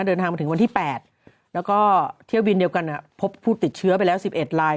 เดินทางมาถึงวันที่๘แล้วก็เที่ยวบินเดียวกันพบผู้ติดเชื้อไปแล้ว๑๑ลาย